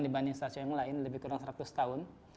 dibanding stasiun yang lain lebih kurang seratus tahun